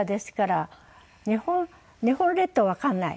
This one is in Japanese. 日本列島わからない。